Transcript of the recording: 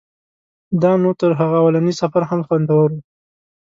دا نو تر هغه اولني سفر هم خوندور و.